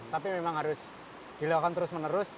tapi memang harus dilakukan terus menerus